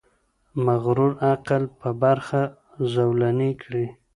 د مغرور عقل په برخه زولنې کړي